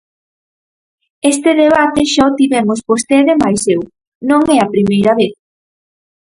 Este debate xa o tivemos vostede e mais eu, non é a primeira vez.